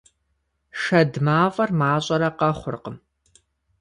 Шэд мафӀэр мащӀэрэ къэхъуркъым.